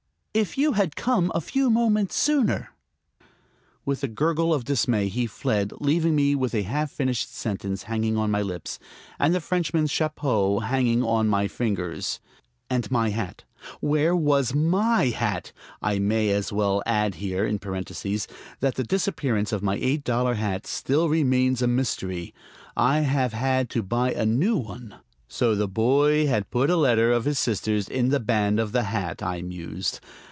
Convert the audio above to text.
If you had come a few moments sooner...." With a gurgle of dismay he fled, leaving me with a half finished sentence hanging on my lips and the Frenchman's chapeau hanging on my fingers. And my hat; where was my hat? (I may as well add here, in parenthesis, that the disappearance of my eight dollar hat still remains a mystery. I have had to buy a new one.) So the boy had put a letter of his sister's in the band of the hat, I mused.